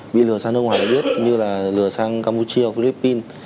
bị lừa sang nước ngoài mới biết như lừa sang campuchia hoặc philippines